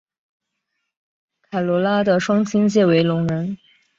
凯萝拉的双亲皆为聋人。